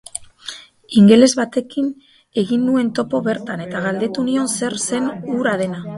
Ingeles batekin egin nuen topo bertan eta galdetu nion zer zen hura dena.